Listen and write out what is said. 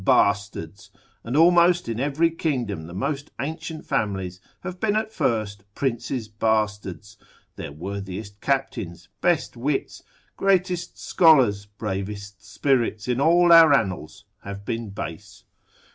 bastards; and almost in every kingdom, the most ancient families have been at first princes' bastards: their worthiest captains, best wits, greatest scholars, bravest spirits in all our annals, have been base.